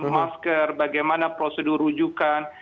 masker bagaimana prosedur rujukan